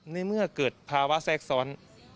ในเมื่อเกิดภาวะแทรกซ้อน